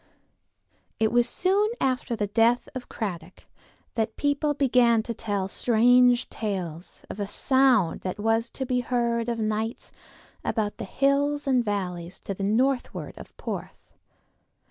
It was soon after the death of Cradock that people began to tell strange tales of a sound that was to be heard of nights about the hills and valleys to the northward of Porth.